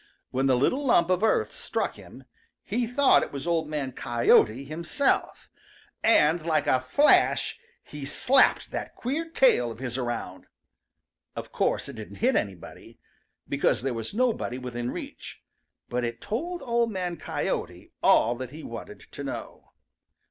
When the little lump of earth struck him, he thought it was Old Man Coyote himself, and like a flash he slapped that queer tail of his around. Of course it didn't hit anybody, because there was nobody within reach. But it told Old Man Coyote all that he wanted to know.